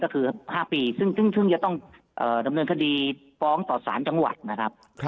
ก็คือ๕ปีซึ่งจะต้องดำเนินคดีฟ้องต่อสารจังหวัดนะครับ